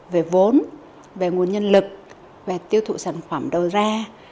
về vốn về nguồn nhân lực về tiêu thụ sản phẩm đầu ra